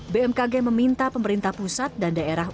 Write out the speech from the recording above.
bmkg meminta pemerintah pusat dan daerah